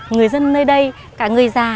người dân nơi đây cả người già trẻ nhỏ